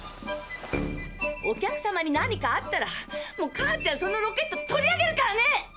お客様に何かあったらもう母ちゃんそのロケット取り上げるからね！